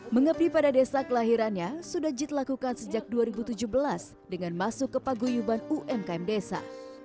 mengabdi pada desa kelahirannya sudah jit lakukan sejak dua ribu tujuh belas dengan masuk ke paguyuban umkm desa